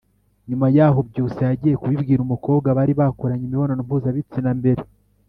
Nyuma yaho Byusa yagiye kubibwira umukobwa bari barakoranye imibonano mpuzabitsina mbere